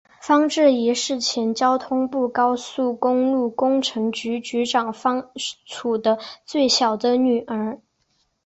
方智怡是前交通部高速公路工程局局长方恩绪的最小的女儿。